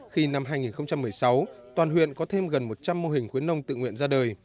khi năm hai nghìn một mươi sáu toàn huyện có thêm gần một trăm linh mô hình khuyến nông tự nguyện ra đời